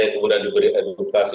kemudian diberi edukasi